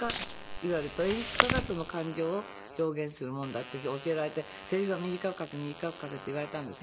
いわゆる演出家がその感情を表現するもんだって教えられてせりふは短く書け短く書けって言われたんです」